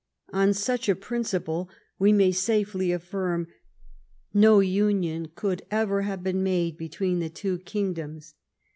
On such a principle we may safely affirm no union could ever have been made be tween the two kingdoms.